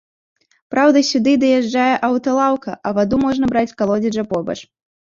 Праўда, сюды даязджае аўталаўка, а ваду можна браць з калодзежа побач.